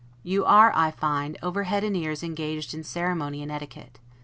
You are, I find, over head and ears engaged in ceremony and etiquette.